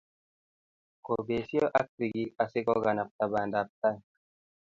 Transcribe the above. Kobesio ak sigik asikokanabta bandaptai